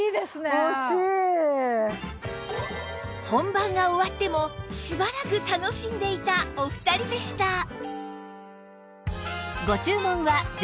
本番が終わってもしばらく楽しんでいたお二人でした